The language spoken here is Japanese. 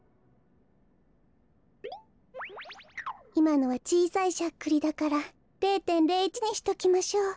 いまのはちいさいしゃっくりだから０．０１にしときましょう。